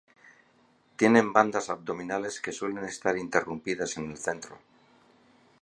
Tienen bandas abdominales que suelen estar interrumpidas en el centro.